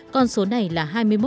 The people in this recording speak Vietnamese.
còn số này là hai mươi một